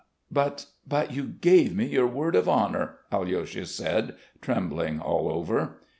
"But, but you gave me your word of honour," Alyosha said trembling all over.